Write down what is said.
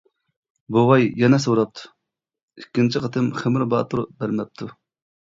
بوۋاي يەنە سوراپتۇ، ئىككىنچى قېتىم خېمىر باتۇر بەرمەپتۇ.